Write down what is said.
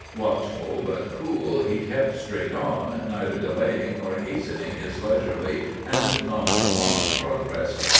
Watchful, but cool, he kept straight on, neither delaying nor hastening his leisurely and nonchalant progress.